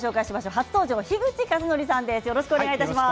初登場、樋口和智さんです。